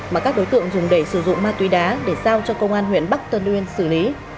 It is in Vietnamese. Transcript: mà các đối tượng dùng để sử dụng ma túy đá để giao cho công an huyện bắc tân uyên xử lý